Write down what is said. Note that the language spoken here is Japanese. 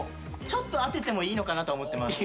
ちょっと当ててもいいのかなとは思ってます。